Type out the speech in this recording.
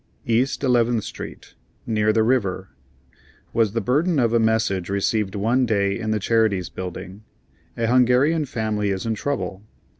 East Eleventh Street, near the river," was the burden of a message received one day in the Charities Building; "a Hungarian family is in trouble."